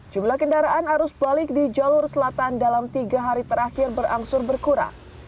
jumlah kendaraan arus balik di jalur selatan dalam tiga hari terakhir berangsur berkurang